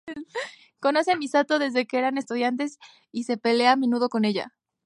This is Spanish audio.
Conoce a Misato desde que eran estudiantes y se pelea a menudo con ella.